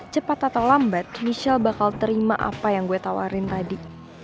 cepat atau lambat michelle bakal terima apa yang gue tawarin tadi